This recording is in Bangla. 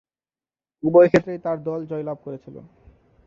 উভয়ক্ষেত্রেই তার দল জয়লাভ করেছিল।